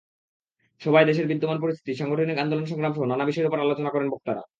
সভায় দেশের বিদ্যমান পরিস্থিতি, সাংগঠনিক আন্দোলন–সংগ্রামসহ নানা বিষয়ের ওপর আলোচনা করেন বক্তারা।